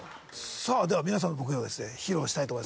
さあでは皆さんのボケをですね披露したいと思います。